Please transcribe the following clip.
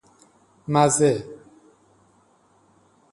مزه